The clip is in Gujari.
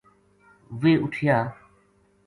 ویہ اُٹھیا